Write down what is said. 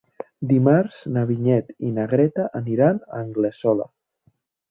Dimarts na Vinyet i na Greta aniran a Anglesola.